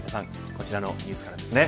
こちらのニュースからです。